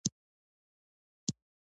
زنګون مې کلک، خو تر پخوا ښه و.